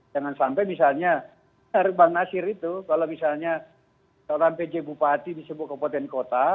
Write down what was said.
jangan sampai misalnya bang nasir itu kalau misalnya seorang pj bupati disebut kabupaten kota